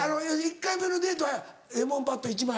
１回目のデートはパッド１枚。